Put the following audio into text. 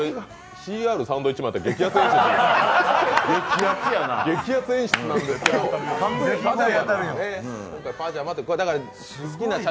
ＣＲサンドウィッチマンだったら激アツですよね。